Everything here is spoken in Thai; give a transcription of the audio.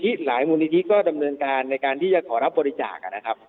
หลายมูลนิธิก็ดำเนินการในการที่จะขอรับบริจาคนะครับ